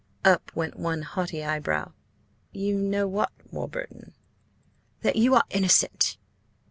Up went one haughty eyebrow. "You know what, Mr. Warburton?" "That you are innocent!"